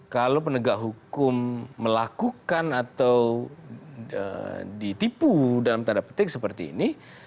kalau penegak hukum melakukan atau ditipu dalam tanda petik seperti ini